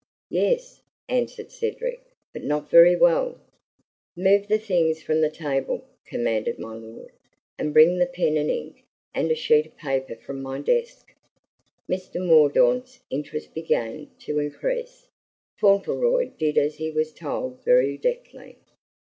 "Yes," answered Cedric, "but not very well." "Move the things from the table," commanded my lord, "and bring the pen and ink, and a sheet of paper from my desk." Mr. Mordaunt's interest began to increase. Fauntleroy did as he was told very deftly.